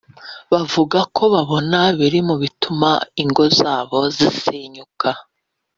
bavuga ko babona biri mu bituma ingo zabo zisenyuka